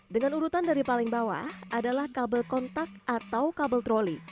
dengan urutan dari paling bawah adalah kabel kontak atau kabel troli